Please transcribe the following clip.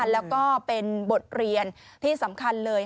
แล้วก็เป็นบทเรียนที่สำคัญเลย